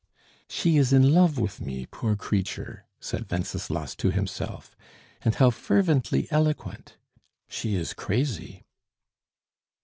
"She is in love with me, poor creature!" said Wenceslas to himself. "And how fervently eloquent! She is crazy."